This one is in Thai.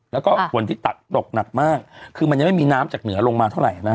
แล้วก็ฝนที่ตัดตกหนักมากคือมันยังไม่มีน้ำจากเหนือลงมาเท่าไหร่นะฮะ